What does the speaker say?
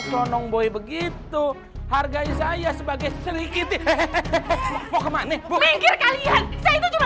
slonong boy begitu hargai saya sebagai sedikit hehehe mau kemana minggir kalian saya itu cuma